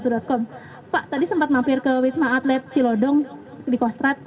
pak tadi sempat mampir ke wisma atlet cilodong di kostrat